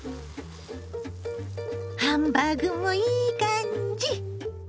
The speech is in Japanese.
ハンバーグもいい感じ！